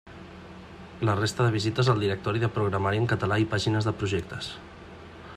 La resta de visites al directori de programari en català i pàgines de projectes.